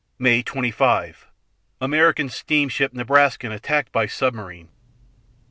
_May 25 American steamship "Nebraskan" attacked by submarine.